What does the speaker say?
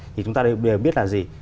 thì chúng ta đều biết là gì